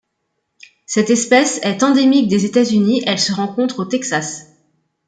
Cette espèce est endémique des États-Unis, elle se rencontre au Texas.